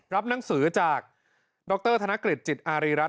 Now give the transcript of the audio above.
รับหนังสือจากดรธนกฤษจิตอารีรัฐ